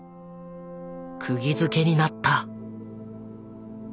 くぎづけになった。